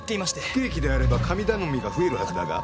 不景気であれば神頼みが増えるはずだが？